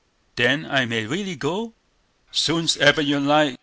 "Then I may really go?" "Soon's ever you like.